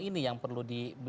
ini yang perlu